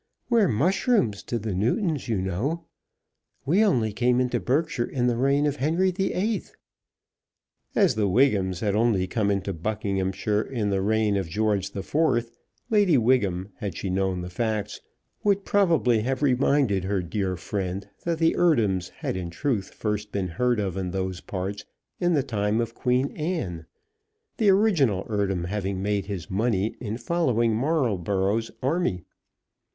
We're mushrooms to the Newtons, you know. We only came into Berkshire in the reign of Henry VIII." As the Wigghams had only come into Buckinghamshire in the reign of George IV., Lady Wiggham, had she known the facts, would probably have reminded her dear friend that the Eardhams had in truth first been heard of in those parts in the time of Queen Anne, the original Eardham having made his money in following Marlborough's army.